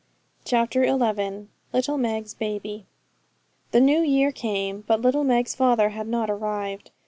CHAPTER XI Little Meg's Baby The new year came, but Meg's father had not arrived.